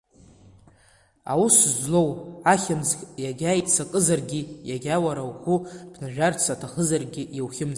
Аус злоу, ахьымӡӷ иагьа иццакызаргьы, иагьа уара угәы ԥнажәарц аҭахызаргьы, иухьымӡеит…